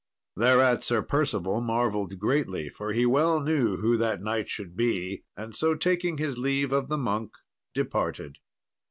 Thereat Sir Percival marvelled greatly, for he well knew who that knight should be; and so, taking his leave of the monk, departed.